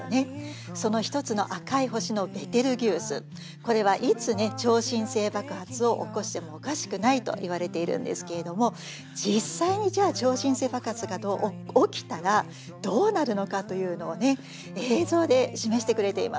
これはいつね超新星爆発を起こしてもおかしくないといわれているんですけれども実際にじゃあ超新星爆発が起きたらどうなるのかというのをね映像で示してくれています。